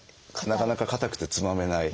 なかなか硬くてつまめない。